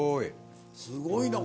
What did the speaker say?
すごい。